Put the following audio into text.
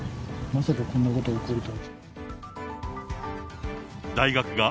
まさかこんなことが起こるとは。